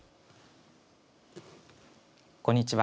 こんにちは